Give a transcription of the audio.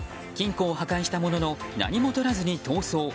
金庫を破壊したものの何もとらずに逃走。